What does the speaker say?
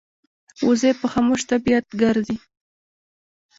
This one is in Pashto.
وزې په خاموش طبیعت ګرځي